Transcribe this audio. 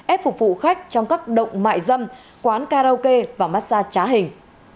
ép phục vụ khách trong các động mại dâm quán karaoke và massage trá hình